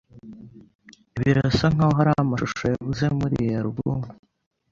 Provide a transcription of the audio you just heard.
Birasa nkaho hari amashusho yabuze muri iyi alubumu.